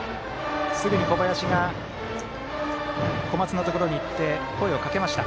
すぐに小林が小松のところに行って声をかけました。